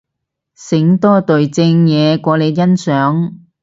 醒多隊正嘢過你欣賞